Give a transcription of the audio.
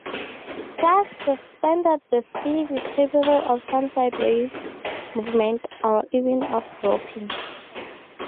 Thus suspended the sieve is capable of some sideways movement, or even of dropping.